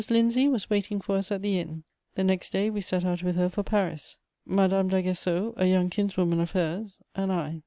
Lindsay was waiting for us at the inn; the next day we set out with her for Paris: Madame d'Aguesseau, a young kinswoman of hers, and I.